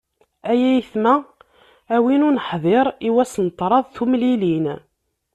Ay ayetma a wi ur nḥḍir, i wass n ṭṭrad tumlilin.